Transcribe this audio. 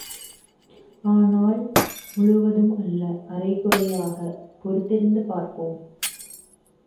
ஆனால் முழுவதும் அல்ல, அறை குறையாக, பொறுத்திருந்து பார்ப்போம்.